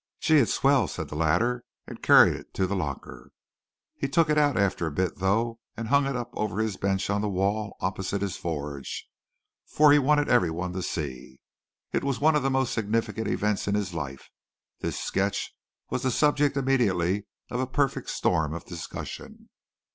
"Gee, it's swell," said the latter and carried it to the locker. He took it out after a bit though and hung it up over his bench on the wall opposite his forge, for he wanted everyone to see. It was one of the most significant events in his life. This sketch was the subject immediately of a perfect storm of discussion.